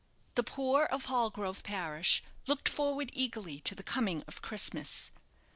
The poor of Hallgrove parish looked forward eagerly to the coming of Christmas.